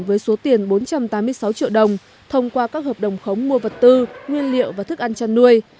với số tiền bốn trăm tám mươi sáu triệu đồng thông qua các hợp đồng khống mua vật tư nguyên liệu và thức ăn chăn nuôi